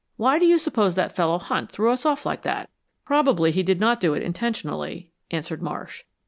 Why do you suppose that fellow Hunt threw us off like that?" "Probably he did not do it intentionally," answered Marsh.